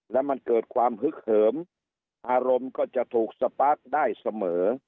และมันเกิดความฮึกเหิมอารมณ์ก็จะถูกสปาร์คได้เสมอ